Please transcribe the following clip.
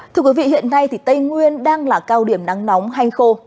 thưa quý vị hiện nay thì tây nguyên đang là cao điểm nắng nóng hành khô